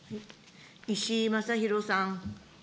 石井正弘さん。